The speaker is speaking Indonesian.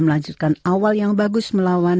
bukan kebenaran saya sebagai pelajar